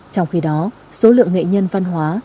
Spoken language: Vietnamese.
trong khi đó số lượng nghệ nhân văn hóa